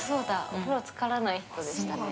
お風呂つからない人でしたね。